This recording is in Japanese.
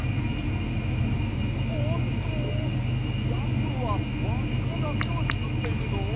おっとやころはわっかだけをつくっているぞ！